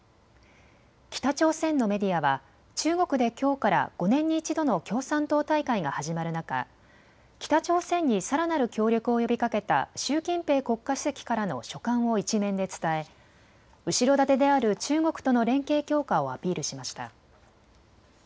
北朝鮮のメディアは中国できょうから５年に１度の共産党大会が始まる中、北朝鮮にさらなる協力を呼びかけた習近平国家主席からの書簡を１面で伝え、後ろ盾である中国との連携強化をアピールしました。